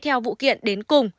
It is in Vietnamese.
theo vụ kiện đến cùng